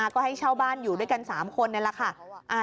ก็ให้เช่าบ้านอยู่ด้วยกัน๓คนนี่แหละค่ะ